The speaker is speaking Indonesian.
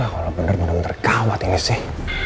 kalau bener bener bener gawat ini sih